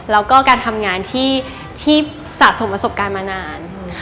แล้วก็การทำงานที่สะสมประสบการณ์มานาน